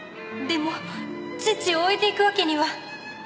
でも父を置いていくわけには。